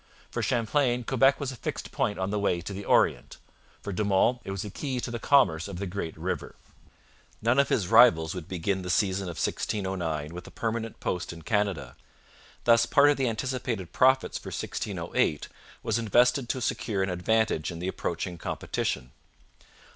For Champlain Quebec was a fixed point on the way to the Orient. For De Monts it was a key to the commerce of the great river. None of his rivals would begin the season of 1609 with a permanent post in Canada. Thus part of the anticipated profits for 1608 was invested to secure an advantage in the approaching competition.